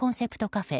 カフェ